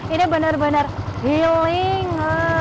ini benar benar healing